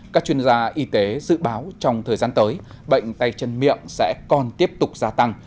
các chuyên gia y tế dự báo trong thời gian tới bệnh tay chân miệng sẽ còn tiếp tục gia tăng